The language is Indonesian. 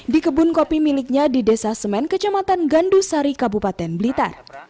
di kebun kopi miliknya di desa semen kecamatan gandusari kabupaten blitar